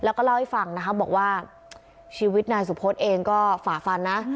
แล้วก็เล่าให้ฟังนะคะบอกว่าชีวิตนายสุพธเองก็ฝ่าฟันนะ